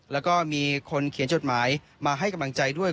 แล้วก็มีคนเขียนจดหมายมาให้กำลังใจด้วย